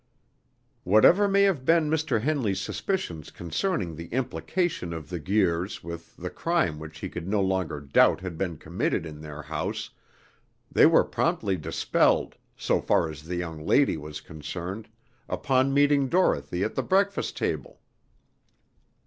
Whatever may have been Mr. Henley's suspicions concerning the implication of the Guirs with the crime which he could no longer doubt had been committed in their house, they were promptly dispelled, so far as the young lady was concerned, upon meeting Dorothy at the breakfast table.